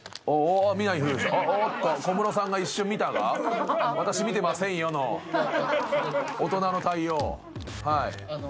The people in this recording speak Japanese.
おっと小室さんが一瞬見たが私見てませんよの大人の対応。